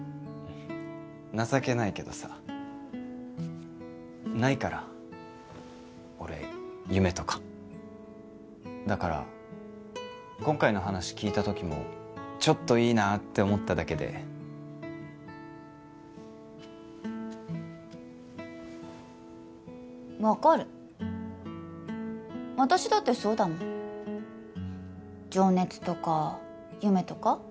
情けないけどさないから俺夢とかだから今回の話聞いたときもちょっといいなって思っただけで分かる私だってそうだもん情熱とか夢とか？